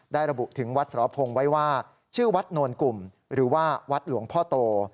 ระบุถึงวัดสรพงศ์ไว้ว่าชื่อวัดนวลกลุ่มหรือว่าวัดหลวงพ่อโต